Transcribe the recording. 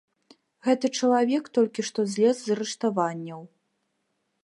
Гэты чалавек толькі што злез з рыштаванняў.